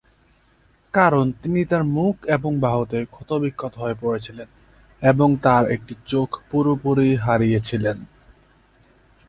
কারণ তিনি তার মুখ এবং বাহুতে ক্ষতবিক্ষত হয়ে পড়েছিলেন এবং তার একটি চোখ পুরোপুরি হারিয়ে ছিলেন।